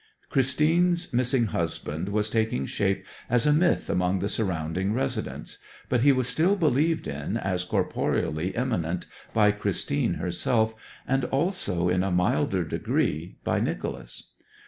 Christine's missing husband was taking shape as a myth among the surrounding residents; but he was still believed in as corporeally imminent by Christine herself, and also, in a milder degree, by Nicholas.